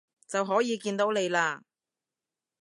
就可以見到你喇